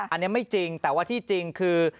อันนี้ไม่จริงแต่ว่าที่จริงคือ